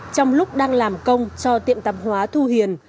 trong lúc đang làm công cho tiệm tạp hóa thu hiền